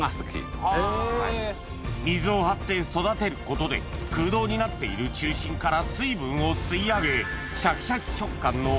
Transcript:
水を張って育てることで空洞になっている中心から水分を吸い上げ